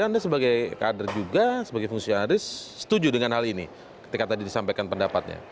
dan anda sebagai kader juga sebagai fungsionalis setuju dengan hal ini ketika tadi disampaikan pendapatnya